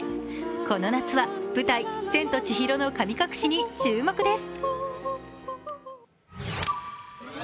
この夏は舞台「千と千尋の神隠し」に注目です。